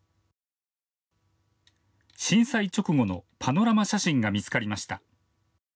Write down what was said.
震災直後のパノラマ写真が見つかりました。